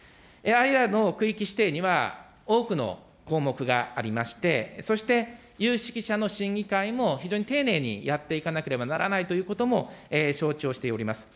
ＩＲの区域指定には多くの項目がありまして、そして有識者の審議会も非常に丁寧にやっていかなければならないということも、承知をしております。